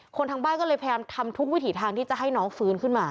ทางบ้านก็เลยพยายามทำทุกวิถีทางที่จะให้น้องฟื้นขึ้นมา